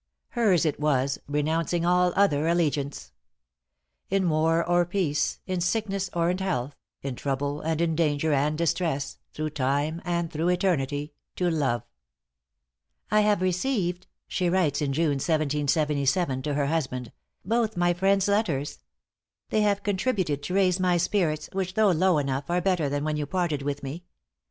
Hers it was, renouncing all other allegiance = ```"In war or peace, in sickness, or in health, ```In trouble and in danger, and distress, ' ```Through time and through eternity, to love."= "I have received," she writes, in June, 1777, to her husband, "both my friend's letters. They have contributed to raise my spirits, which, though low enough, are better than when you parted with me.